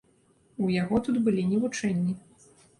У яго тут былі не вучэнні.